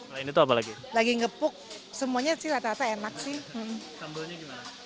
lagi ngepuk semuanya sih rata rata enak sih